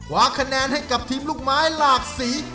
คะแนนให้กับทีมลูกไม้หลากสี